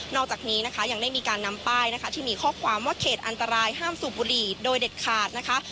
อกจากนี้นะคะยังได้มีการนำป้ายนะคะที่มีข้อความว่าเขตอันตรายห้ามสูบบุหรี่โดยเด็ดขาดนะคะ